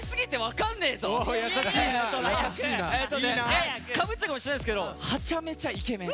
かぶっちゃうかもしれないんですけどはちゃめちゃイケメン。